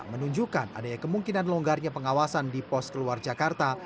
menunjukkan adanya kemungkinan longgarnya pengawasan di pos keluar jakarta